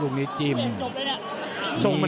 ลูกนี้จิ้ม